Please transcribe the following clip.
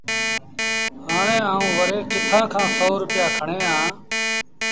هآڻي آئوݩ وري ڪٿآݩ کآݩ سو روپيآ کڻيٚ آݩ